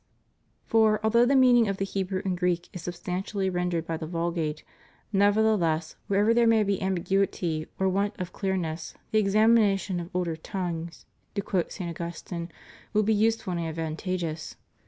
For, although the meaning of the Hebrew and Greek is substantially rendered by the Vulgate, nevertheless, wherever there may be ambiguity or want of clearness, the "examination of older tongues," ^ to quote St. Augustine, will be useful and advantageous.